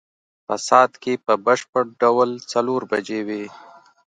په ساعت کې په بشپړ ډول څلور بجې وې.